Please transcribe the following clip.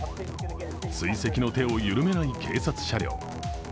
追跡の手を緩めない警察車両。